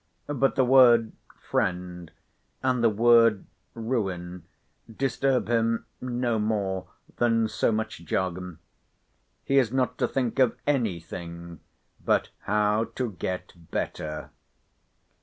But the word "friend," and the word "ruin," disturb him no more than so much jargon. He is not to think of any thing but how to get better.